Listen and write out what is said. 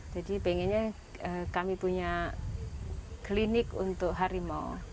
jadi pengennya kami punya klinik untuk harimau